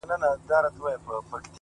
ځوان ناست دی ـ